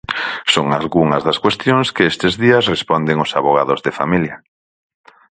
Son algunhas das cuestións que estes días responden os avogados de familia.